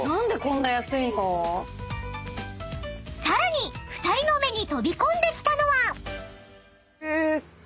［さらに２人の目に飛び込んできたのは］